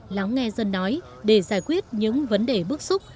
lắng nghe dân nói để giải quyết những vấn đề bức xúc